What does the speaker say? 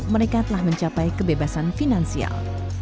mereka telah mencapai kebebasan finansial